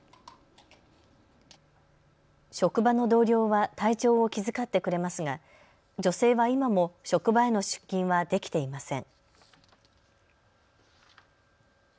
職場の同僚は体調を気遣ってくれますが女性は今も職場への出勤はできていません。